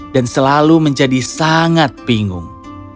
dan selalu menjadi sangat bingung